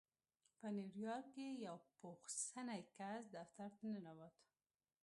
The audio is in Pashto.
په نيويارک کې يو پوخ سنی کس دفتر ته ننوت.